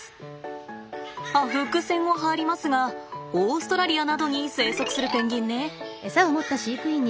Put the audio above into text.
あ伏線を張りますがオーストラリアなどに生息するペンギンね。